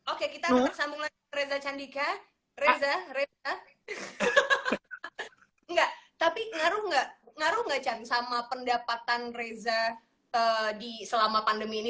oke kita akan tersambung lagi dengan reza candika reza reza nggak tapi ngaruh nggak ngaruh nggak sama pendapat reza selama pandemi ini